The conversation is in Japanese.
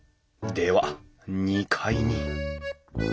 では２階に。